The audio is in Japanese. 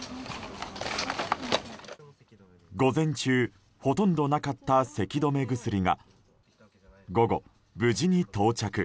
午前中ほとんどなかったせき止め薬が午後、無事に到着。